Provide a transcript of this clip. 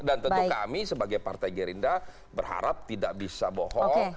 dan tentu kami sebagai partai gerinda berharap tidak bisa bohong